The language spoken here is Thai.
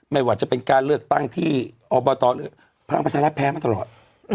ไม่ที่จะเป็นการเลือกตั้งที่พระบอตรอด